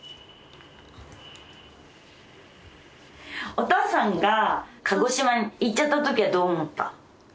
お父さんが鹿児島行っちゃったときはどう思った？